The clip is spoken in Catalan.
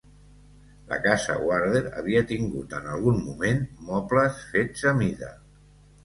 La casa Warder havia tingut en algun moment mobles fets a mida.